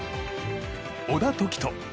小田凱人。